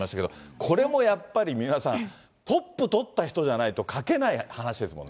これもやっぱり三輪さん、トップとった人じゃないと書けない話ですもんね。